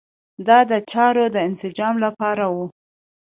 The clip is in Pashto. دا د چارو د انسجام لپاره وي.